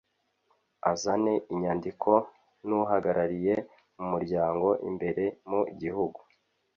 Azane inyandiko n’uhagarariye umuryango imbere mu gihugu